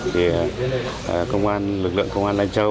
thì công an lực lượng công an lào châu